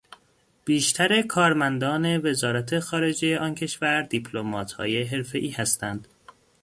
بیشتر کارمندان وزرات خارجهی آن کشور دیپلماتهای حرفهای هستند.